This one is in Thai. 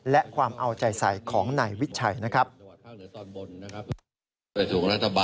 และความเอาใจใส่ของนายวิชัยนะครับ